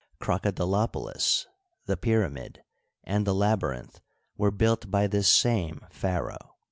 Crocodilopolis, the pyramid, and the lab3n inth were built by this same pharaoh.